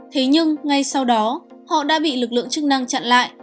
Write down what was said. thế nhưng ngay sau đó họ đã bị lực lượng chức năng chặn lại